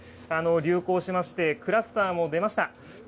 流行しまして、クラスターも出ました。